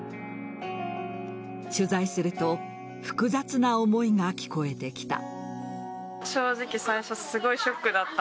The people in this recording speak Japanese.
取材すると複雑な思いが聞こえてきた。